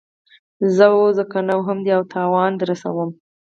ځه ووځه کنه وهم دې او تاوان در رسوم.